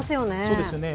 そうですよね。